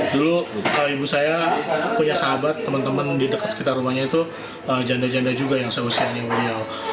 dulu ibu saya punya sahabat teman teman di dekat sekitar rumahnya itu janda janda juga yang seusianya beliau